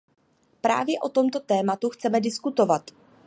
Právě o tomto tématu chceme diskutovat.